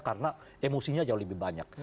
karena emosinya jauh lebih banyak